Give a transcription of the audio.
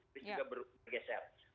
itu juga bergeser